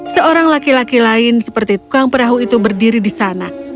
seorang laki laki lain seperti tukang perahu itu berdiri di sana